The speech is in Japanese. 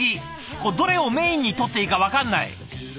どれをメインに取っていいか分かんない。